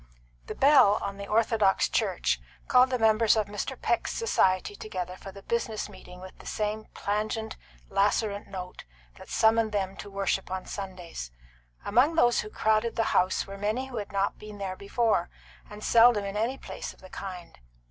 XXV. The bell on the orthodox church called the members of Mr. Peck's society together for the business meeting with the same plangent, lacerant note that summoned them to worship on Sundays. Among those who crowded the house were many who had not been there before, and seldom in any place of the kind.